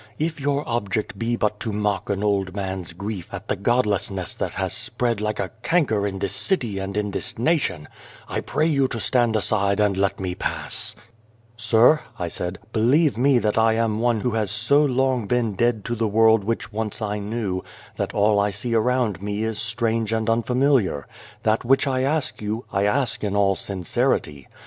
If your 248 Without a Child object be but to mock an old man's grief at the godlessness that has spread like a canker in this city and in this nation, I pray you to stand aside and let me pass." " Sir," I said, " believe me that I am one who has so long been dead to the world which once I knew, that all I see around me is strange and unfamiliar. That which I ask you, I ask in all sincerity.